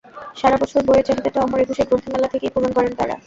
সারা বছর বইয়ের চাহিদাটা অমর একুশে গ্রন্থমেলা থেকেই পূরণ করেন তাঁরা।